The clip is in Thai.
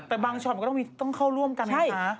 แต่บางช็อตมันก็ต้องเข้าร่วมกันนะคะ